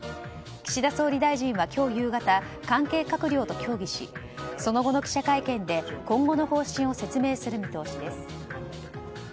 岸田総理大臣は今日夕方関係閣僚と協議しその後の記者会見で今後の方針を説明する見通しです。